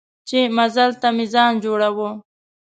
چې مزل ته مې ځان جوړاوه.